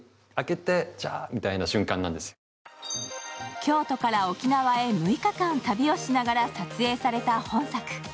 京都から沖縄へ６日間旅をしながら撮影された本作。